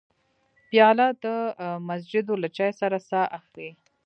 پیاله د مسجدو له چای سره ساه اخلي.